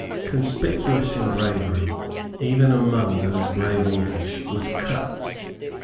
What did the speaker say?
Conspicuous in bravery even among those brave English was Cutts.